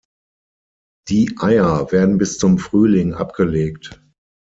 Die Eier werden bis zum Frühling abgelegt.